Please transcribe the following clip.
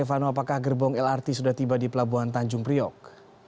vano apakah gerbong lrt sudah tiba di pelabuhan tanjung priok